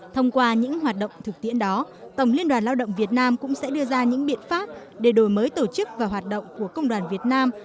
thông qua những hoạt động thực tiễn đó tổng liên đoàn lao động việt nam cũng sẽ đưa ra những biện pháp để đổi mới tổ chức và hoạt động của công đoàn việt nam